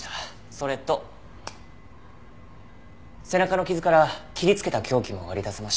それと背中の傷から切りつけた凶器も割り出せました。